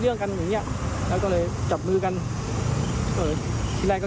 เรื่องกันอย่างเงี้ยแล้วก็เลยจับมือกันเออทีแรกก็